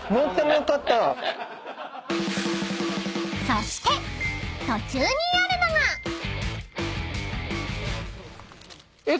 ［そして途中にあるのが］え！